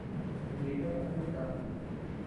Nídin a nínaa.